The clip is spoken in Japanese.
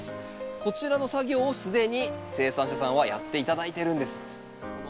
こちらの作業を既に生産者さんはやって頂いてるんです。